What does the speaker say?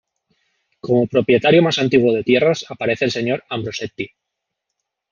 Como propietario más antiguo de tierras aparece el señor Ambrosetti.